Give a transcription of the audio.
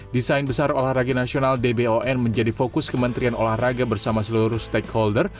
desain besar olahraga nasional d p o n menjadi fokus kementerian olahraga bersama seluruh stakeholder